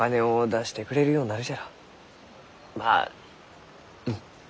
まあうん。